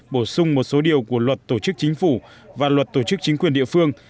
bổ sung một số điều của luật tổ chức chính phủ và luật tổ chức chính quyền địa phương